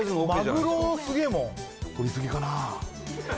マグロすげえもん取りすぎかな